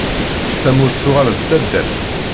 Tamurt tuɣal d taddart.